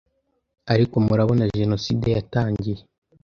Ariko murabona Jenoside yatangiye